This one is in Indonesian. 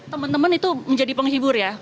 teman teman itu menjadi penghibur ya